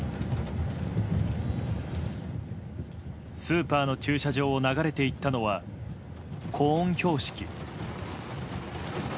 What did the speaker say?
スーパーの駐車場を流れていったのはコーン標識。